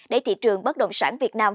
để thị trường bất động sản việt nam